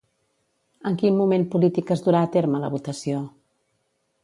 En quin moment polític es durà a terme la votació?